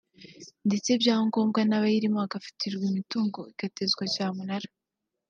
ndetse byaba na ngombwa bayirimo bagafatirirwa imitungo igatezwa cyamunara